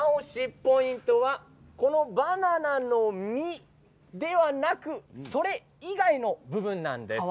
ポイントはこのバナナの実ではなくそれ以外の部分なんです。